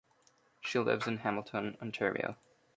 She lives in Hamilton, Ontario.